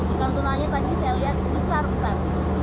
ikan tunanya tadi saya lihat besar besar